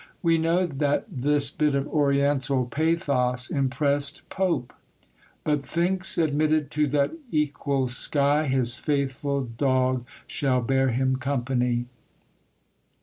We know that this bit of Oriental pathos impressed Pope: "But thinks, admitted to that equal sky, His faithful dog shall bear him company."